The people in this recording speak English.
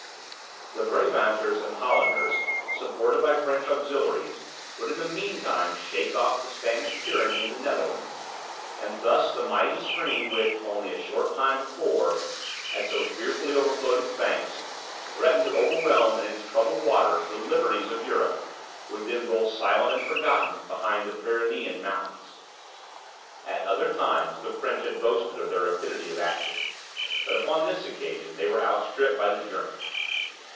The Brabanters and Hollanders, supported by French auxiliaries, would in the meantime shake off the Spanish tyranny in the Netherlands; and thus the mighty stream which, only a short time before, had so fearfully overflowed its banks, threatening to overwhelm in its troubled waters the liberties of Europe, would then roll silent and forgotten behind the Pyrenean mountains. At other times, the French had boasted of their rapidity of action, but upon this occasion they were outstripped by the Germans.